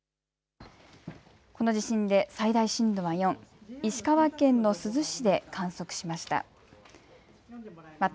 この地震で最大震度は４、石川県の珠洲市で観測しました。